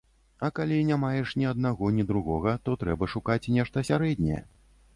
А калі не маеш ні аднаго, ні другога, то трэба шукаць нешта сярэдняе.